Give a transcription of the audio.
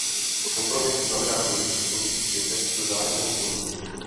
Kompromis znamená dojít ve složitých věcech k vzájemnému porozumění.